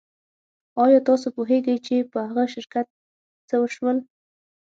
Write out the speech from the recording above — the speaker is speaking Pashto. ایا تاسو پوهیږئ چې په هغه شرکت څه شول